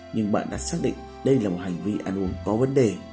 nhưng bạn đã xác định đây là một hành vi ăn uống có vấn đề